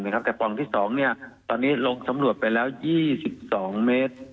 แต่ปล่องที่๒ตอนนี้ลงสำรวจไปแล้ว๒๒เมตร